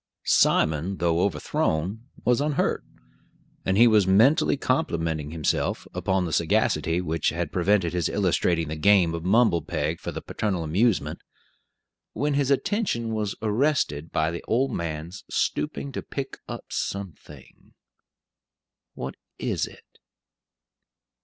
Simon, though overthrown, was unhurt; and he was mentally complimenting himself upon the sagacity which had prevented his illustrating the game of mumble peg for the paternal amusement, when his attention was arrested by the old man's stooping to pick up something what is it?